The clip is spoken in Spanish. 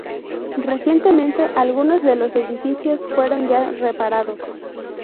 Recientemente algunos de los edificios fueron ya reparados.